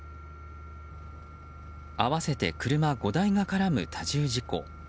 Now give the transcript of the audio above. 合わせて車５台が絡む多重事故。